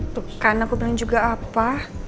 bukan aku bilang juga apa